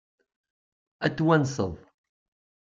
Ad t-twanseḍ?